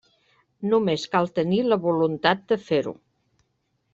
Només cal tenir la voluntat de fer-ho.